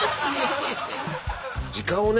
時間をね